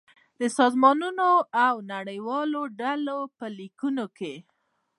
د سازمانونو او نړیوالو ډلو په ليکو کې